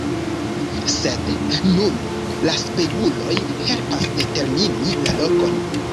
Sed nun la speguloj helpas determini la lokon.